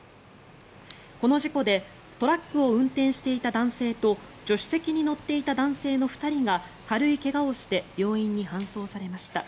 この事故でトラックを運転していた男性と助手席に乗っていた男性の２人が軽い怪我をして病院に搬送されました。